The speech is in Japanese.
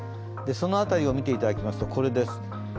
その辺りを見ていただきますとこれです。